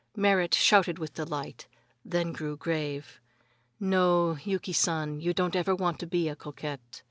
Merrit shouted with delight, then grew grave. "No, Yuki San, you don't ever want to be a coquette.